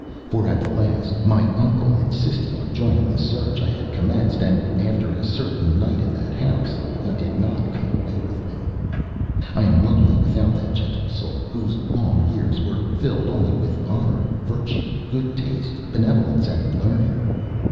For at the last my uncle insisted on joining the search I had commenced, and after a certain night in that house he did not come away with me. I am lonely without that gentle soul whose long years were filled only with honor, virtue, good taste, benevolence, and learning.